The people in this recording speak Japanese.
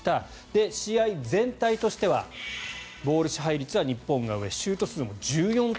で、試合全体としてはボール支配率は日本が上シュート数も１４と４。